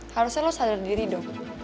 harusnya lo sadar diri dong